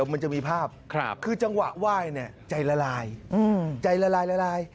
มันจะมีภาพครับคือจังหวะไหว้เนี่ยใจละลายอืมใจละลายละลาย